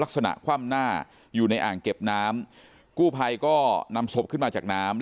คว่ำหน้าอยู่ในอ่างเก็บน้ำกู้ภัยก็นำศพขึ้นมาจากน้ำ